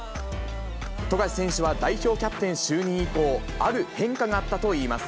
富樫選手は代表キャプテン就任以降、ある変化があったといいます。